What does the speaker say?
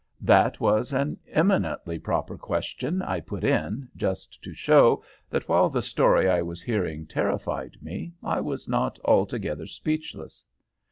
'" "That was an eminently proper question," I put in, just to show that while the story I was hearing terrified me, I was not altogether speechless.